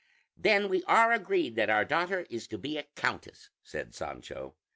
"Then we are agreed that our daughter is to be a countess," said Sancho.